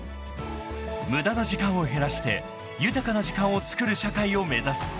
［無駄な時間を減らして豊かな時間をつくる社会を目指す］